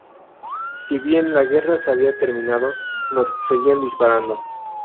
Si bien la guerra se había terminado, nos seguían disparando.